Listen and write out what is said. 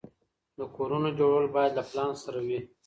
د کورونو جوړول باید له پلان سره وي.